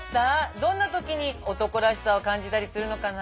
どんな時に男らしさを感じたりするのかな？